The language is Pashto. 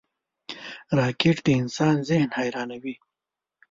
راکټ د انسان ذهن حیرانوي